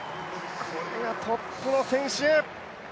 これがトップの選手。